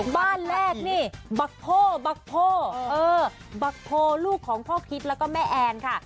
บ้านแรกนี่บักโพลูกของพ่อคิดและแม่แอนค่ะ